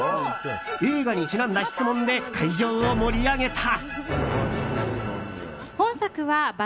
映画にちなんだ質問で会場を盛り上げた。